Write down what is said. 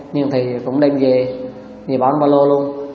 nhưng thì cũng đem về thì bỏ trong ba lô luôn